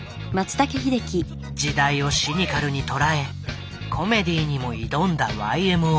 時代をシニカルに捉えコメディーにも挑んだＹＭＯ。